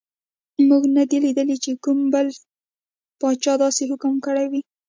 موږ نه دي لیدلي چې کوم بل پاچا داسې حکم کړی وي.